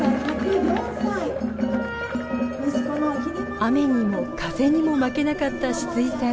雨にも風にも負けなかったシツイさん。